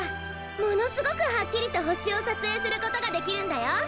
ものすごくはっきりとほしをさつえいすることができるんだよ。